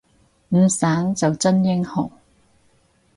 唔散就真英雄